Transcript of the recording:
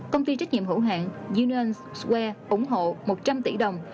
công ty trách nhiệm hữu hạn union square ủng hộ một trăm linh tỷ đồng